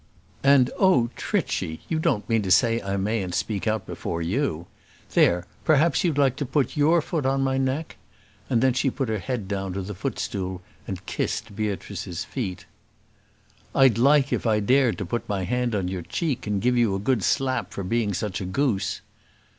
"And, oh, Trichy! you don't mean to say I mayn't speak out before you. There, perhaps you'd like to put your foot on my neck." And then she put her head down to the footstool and kissed Beatrice's feet. "I'd like, if I dared, to put my hand on your cheek and give you a good slap for being such a goose."